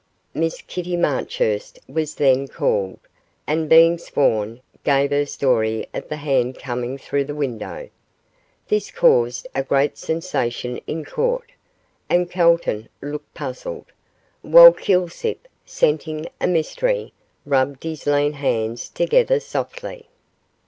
Miss Kitty Marchurst was then called, and being sworn, gave her story of the hand coming through the window. This caused a great sensation in Court, and Calton looked puzzled, while Kilsip, scenting a mystery, rubbed his lean hands together softly.